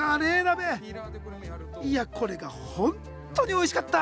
いやこれが本当においしかった！